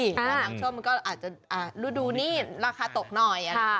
แล้วทางช่วงมันก็อาจจะฤดูนี้ราคาตกหน่อย